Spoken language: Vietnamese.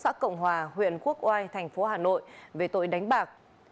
xã cộng hòa huyện quốc oai thành phố hà nội về tội đánh bạc